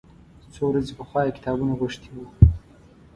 څو ورځې پخوا یې کتابونه غوښتي و.